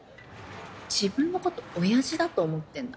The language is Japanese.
自分のこと親父だと思ってんだ。